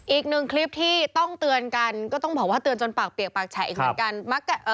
อีกหนึ่งคลิปที่ต้องเตือนกันก็ต้องบอกว่าเตือนจนปากเปียกปากแฉะอีกเหมือนกัน